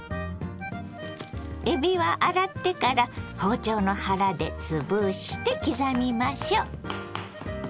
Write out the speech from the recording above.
えびは洗ってから包丁の腹で潰して刻みましょ。